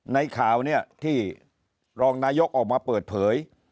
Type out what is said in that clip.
ในข่าวเนี่ยที่รองนายกออกมาเปิดเผย